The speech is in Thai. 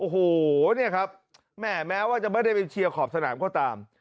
โอ้โหเนี่ยครับแหมแม้ว่าจะไม่ได้ไปเชียร์ขอบสนามก็ตาม